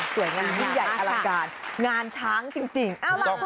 งานยิ่งใหญ่อลังการงานช้างจริง